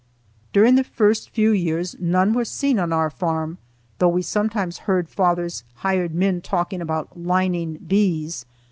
During the first few years none were seen on our farm, though we sometimes heard father's hired men talking about "lining bees."